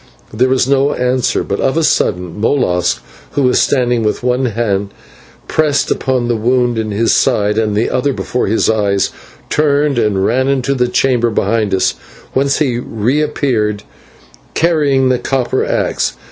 There was no answer, but of a sudden Molas, who was standing with one hand pressed upon the wound in his side and the other before his eyes, turned and ran into the chamber behind us, whence he reappeared carrying the copper axe.